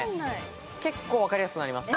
結構分かりやすくなりました。